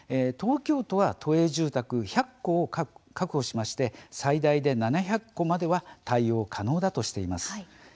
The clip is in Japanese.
東京都は都営住宅１００戸を確保しまして最大で７００戸までは対応可能だとしています。